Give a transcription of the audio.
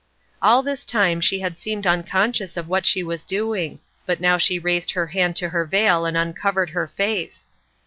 All this time she had seemed unconscious of what she was doing, but now she raised her hand to her veil and uncovered her face.